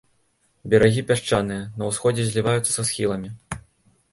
Берагі пясчаныя, на ўсходзе зліваюцца са схіламі.